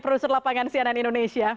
producer lapangan sianan indonesia